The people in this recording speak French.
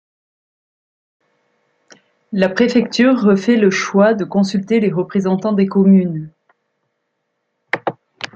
La préfecture refait le choix de consulter les représentants des communes.